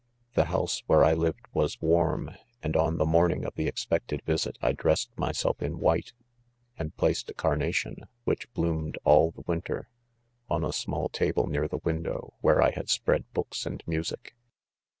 ' The house where I lived was warm ; and on the morning of the expected visit I dressed my v self in white, and placed a carnation, which bloomed all the winter, on a small table near the window, where I had spread books and mu sic.